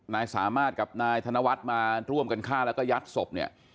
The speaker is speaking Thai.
นายสามารถกับนายธนวัฒน์มาร่วมกันฆ่าแล้วก็ยัดศพเนี่ย